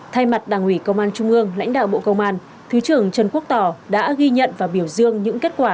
thay mặt đảng ủy công an trung ương lãnh đạo bộ công an thứ trưởng trần quốc tỏ đã ghi nhận và biểu dương những kết quả